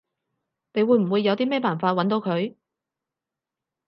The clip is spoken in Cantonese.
你會唔會有啲咩辦法搵到佢？